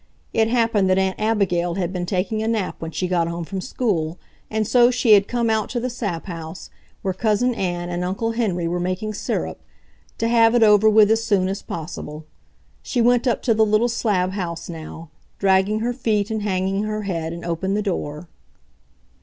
It happened that Aunt Abigail had been taking a nap when she got home from school, and so she had come out to the sap house, where Cousin Ann and Uncle Henry were making syrup, to have it over with as soon as possible. She went up to the little slab house now, dragging her feet and hanging her head, and opened the door.